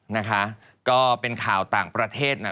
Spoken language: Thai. นะคะก็เป็นข่าวต่างประเทศนะ